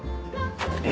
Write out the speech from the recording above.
え？